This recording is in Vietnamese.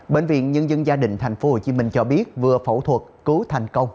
bệnh viện nhân dân gia đình tp hcm cho biết vừa phẫu thuật cứu thành công